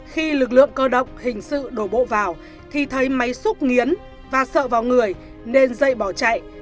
khi lực lượng cơ động hình sự đổ bộ vào thì thấy máy xúc nghiến và sợ vào người nên dây bỏ chạy